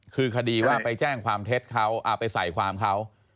คือคดีว่าไปแจ้งความเท็จเขาไปใส่ความเขา